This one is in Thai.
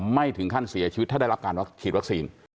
ไม่ถึงขั้นเสียชีวิตถ้าได้รับการฉีดวัคซีน